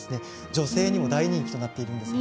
女性にも大人気となっています